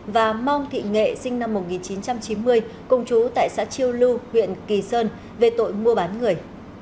và mong thị nghệ sinh năm một nghìn chín trăm chín mươi cùng chú tại xã chiêu lưu huyện kỳ sơn về tội mua bán người